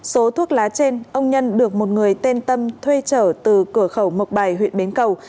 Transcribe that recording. số thuốc lá trên ông nhân được một người tên tâm thuê trở từ cửa khẩu mộc bài huyện bến cầu